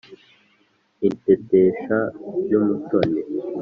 Intetesha by'umutoni